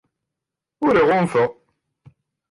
Ur iɣunfa.